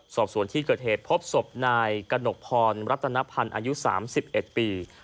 สอบส่วนที่เกิดเหตุพบศพนายกระหนกพรรัตนพันธ์อายุ๓๑ปี